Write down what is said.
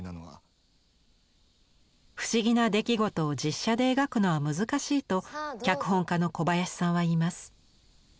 不思議な出来事を実写で描くのは難しいと脚本家の小林さんは言います。